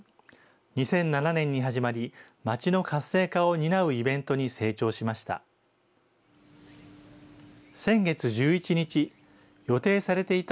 ２００７年に始まり、町の活性化を担うイベントに成長しました。